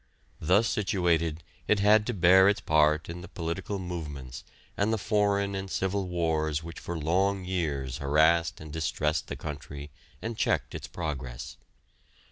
Thus situated it had to bear its part in the political movements and the foreign and civil wars which for long years harassed and distressed the country and checked its progress.